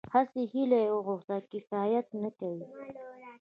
هسې هيله او غوښتنه کفايت نه کوي.